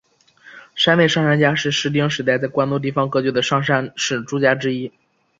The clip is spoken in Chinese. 山内上杉家是室町时代在关东地方割据的上杉氏诸家之一。